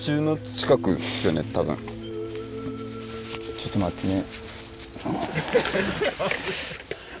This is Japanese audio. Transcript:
ちょっと待ってね。